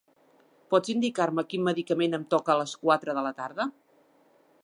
Pots indicar-me quin medicament em toca a les quatre de la tarda?